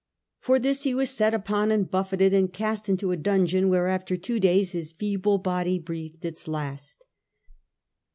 * For this he was set upon and buffeted, and cast into a dungeon, where after two days his feeble body breathed its last.